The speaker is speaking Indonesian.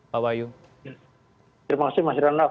pak wayu terima kasih mas rana